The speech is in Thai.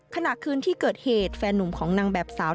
ขณะคืนที่เกิดเหตุแฟนหนุ่มของนางแบบสาว